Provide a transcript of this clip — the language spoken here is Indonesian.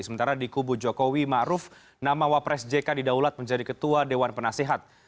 sementara di kubu jokowi ma'ruf nama wapres jk di daulat menjadi ketua dewan penasihat